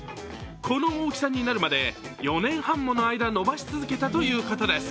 この大きさになるまで４年半もの間伸ばし続けたということです。